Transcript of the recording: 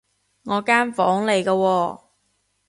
我間房嚟㗎喎